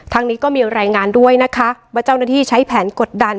นี้ก็มีรายงานด้วยนะคะว่าเจ้าหน้าที่ใช้แผนกดดัน